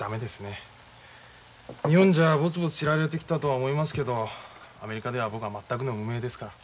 日本じゃボツボツ知られてきたとは思いますけどアメリカでは僕は全くの無名ですから。